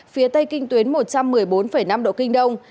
phía tây kinh tuyến một trăm một mươi bốn năm độ kinh đông